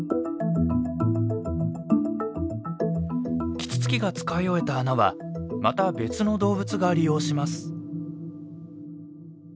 キツツキが使い終えた穴はまた別の動物が利用します。